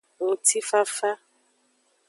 Ngutifafa.